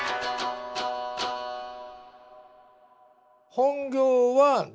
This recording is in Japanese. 本業は。